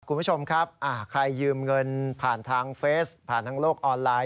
คุณผู้ชมครับใครยืมเงินผ่านทางเฟสผ่านทางโลกออนไลน